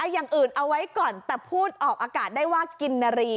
อย่างอื่นเอาไว้ก่อนแต่พูดออกอากาศได้ว่ากินนารี